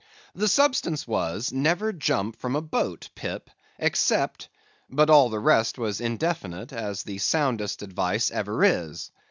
The substance was, Never jump from a boat, Pip, except—but all the rest was indefinite, as the soundest advice ever is.